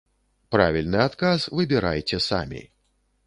Правільны адказ выбірайце самі.